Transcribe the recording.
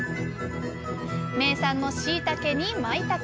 名産のしいたけにまいたけ。